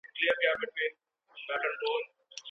زه ویاړم چې خپلې مورنۍ پښتو ژبې ته خدمت کوم.